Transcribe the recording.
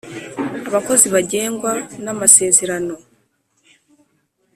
abakozi bagengwa na masezerano,